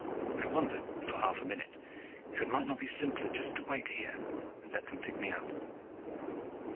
I wondered, for half a minute, if it might not be simpler just to wait here and let them pick me up.